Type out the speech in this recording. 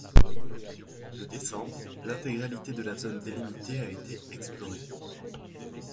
Le décembre, l'intégralité de la zone délimitée a été explorée.